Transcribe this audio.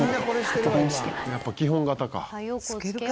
やっぱ基本型か。